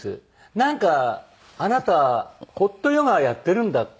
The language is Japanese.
「なんかあなたホットヨガやってるんだって？」